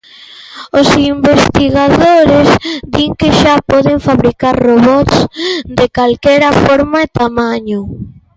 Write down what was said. Os investigadores din que xa poden fabricar robots de calquera forma e tamaño.